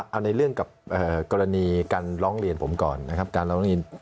เอาในเรื่องกับกรณีการร้องเรียนผมก่อนนะครับ